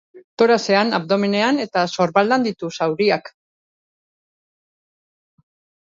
Toraxean, abdomenean eta sorbaldan ditu zauriak.